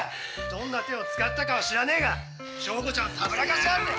どんな手を使ったかは知らねえが祥子ちゃんをたぶらかしやがって！